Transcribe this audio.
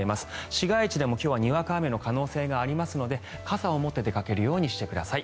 市街地でも今日はにわか雨の可能性があるので傘を持って出かけるようにしてください。